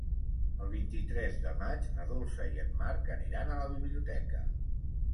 El vint-i-tres de maig na Dolça i en Marc aniran a la biblioteca.